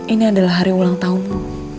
ini adalah hari ulang tahunku